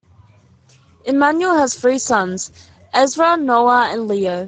Emanuel has three sons, Ezra, Noah, and Leo.